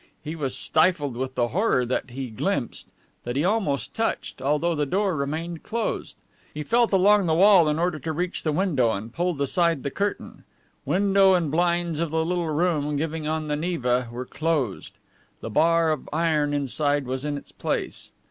He was stifled with the horror that he glimpsed, that he almost touched, although that door remained closed. He felt along the wall in order to reach the window, and pulled aside the curtain. Window and blinds of the little room giving on the Neva were closed. The bar of iron inside was in its place.